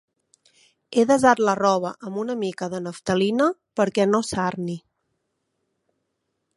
He desat la roba amb una mica de naftalina perquè no s'arni.